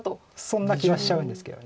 そんな気がしちゃうんですけど。